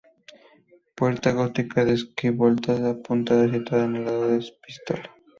Puerta gótica de arquivoltas apuntadas situada en el lado de la Epístola.